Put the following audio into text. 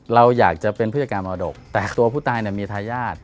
เราอยากจะเป็นผู้จัดการมรดกแต่ตัวผู้ตายมีทายาท